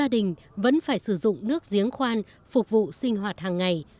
tình vẫn phải sử dụng nước giếng khoan phục vụ sinh hoạt hàng ngày